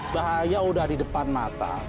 bahaya udah di depan mata